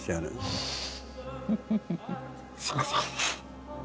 すいません。